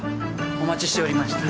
お待ちしておりました。